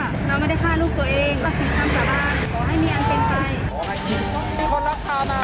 ท่านพระเจ้าขอสาบานว่าเราไม่ได้ฆ่าลูกตัวเอง